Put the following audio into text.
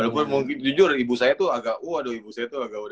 walaupun jujur ibu saya tuh agak waduh ibu saya tuh agak udah